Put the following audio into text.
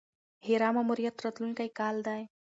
هیرا ماموریت راتلونکی کال دی.